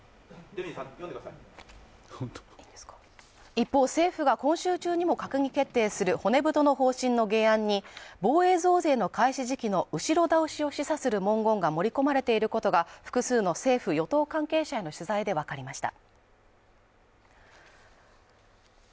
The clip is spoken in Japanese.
一方、政府が今週中にも閣議決定する骨太の方針の原案に、防衛増税の開始時期の後ろ倒しを示唆する文言が盛り込まれていることが複数の政府・与党関係者への取材でわかりました。